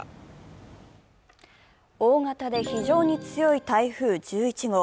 大型で非常に強い台風１１号。